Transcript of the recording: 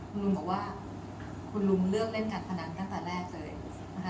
คุณลุงบอกว่าคุณลุงเลือกเล่นการพนันตั้งแต่แรกเลยนะคะ